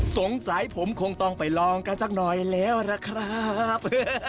สงสัยผมคงต้องไปลองกันสักหน่อยแล้วนะครับ